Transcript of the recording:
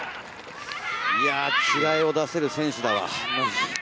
いや、違いを出せる選手だわ。